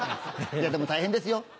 でも大変ですよ